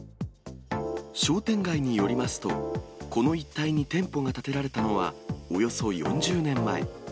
商店街によりますと、この一帯に店舗が建てられたのはおよそ４０年前。